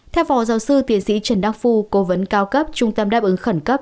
theo phó giáo sư tiến sĩ trần đắc phu cố vấn cao cấp trung tâm đáp ứng khẩn cấp